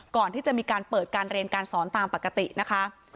ก่อนที่จะมีการเปิดการเรียนการสอนตามปกตินะคะ